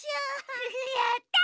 やった！